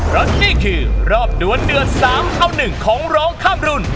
เพราะนี่คือรอบดวนเดือด๓เอา๑ของร้องข้ามรุ่น